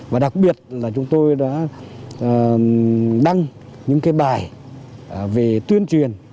và đặc biệt là chúng tôi đã đăng những cái bài về tuyên truyền